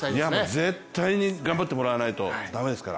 絶対に頑張ってもらわないとだめですから。